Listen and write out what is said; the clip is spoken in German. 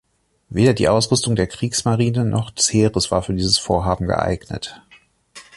Weder die Ausrüstung der Kriegsmarine noch des Heeres war für dieses Vorhaben geeignet.